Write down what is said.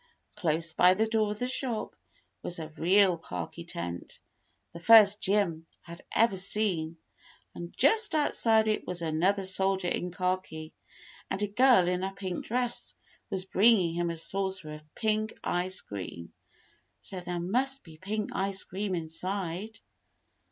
Close by the door of the shop was a real khaki tent, the first Jim had ever seen, and just outside it was another soldier in khaki, and a girl in a pink dress was bringing him a saucer of pink ice cream, so there must be pink ice cream inside.